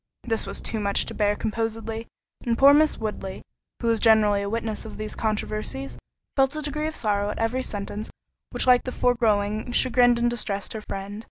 This was too much to bear composedly—and poor Miss Woodley, who was generally a witness of these controversies, felt a degree of sorrow at every sentence which like the foregoing chagrined and distressed her friend.